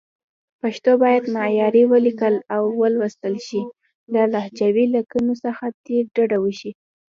پښتو باید معیاري ولیکل او ولوستل شي، له لهجوي لیکنو څخه دې ډډه وشي.